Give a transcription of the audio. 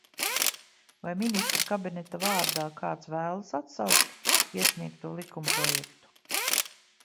Vai Ministru kabineta vārdā kāds vēlas atsaukt iesniegto likumprojektu?